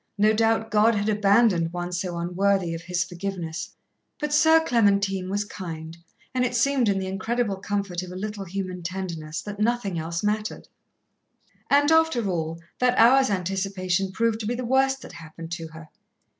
No doubt God had abandoned one so unworthy of His forgiveness but Soeur Clementine was kind, and it seemed, in the incredible comfort of a little human tenderness, that nothing else mattered. And, after all, that hour's anticipation proved to be the worst that happened to her.